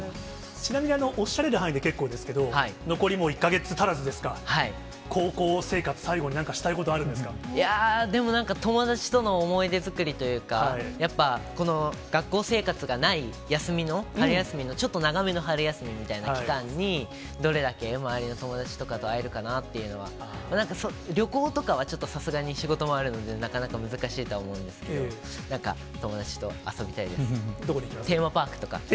ちなみに、おっしゃれる範囲で結構ですけど、残りもう１か月足らずですが、高校生活最後になんかしたいこといやー、でもなんか、友達との思い出作りというか、やっぱ学校生活がない休みの、春休みのちょっと長めの春休みみたいな期間に、どれだけ周りの友達とかと会えるかなっていうのは、なんか、旅行とかはちょっと、さすがに仕事もあるのでなかなか難しいとは思うんですけど、どこに行きますか？